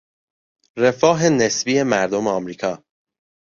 رفاه نسبی مردم امریکا